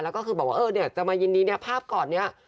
แล้วก็คือบอกว่าจะมายินดีภาพกอดนี้